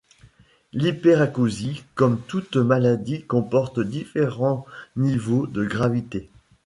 L'hyperacousie, comme toute maladie, comporte différents niveaux de gravité.